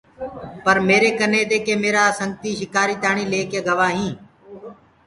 پر ميري ڪني دي ڪي ميرآ سنگتي شڪآري تاڻيٚ لي ڪي گوآ هينٚ۔